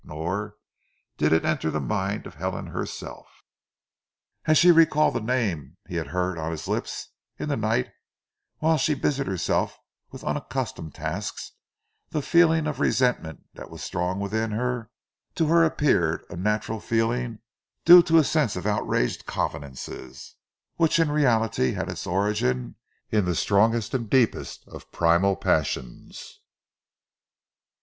Nor did it enter the mind of Helen herself. As she recalled the name she had heard on his lips in the night, whilst she busied herself with unaccustomed tasks, the feeling of resentment that was strong within her, to her appeared a natural feeling due to a sense of outraged convenances when in reality it had its origin in the strongest and deepest of primal passions.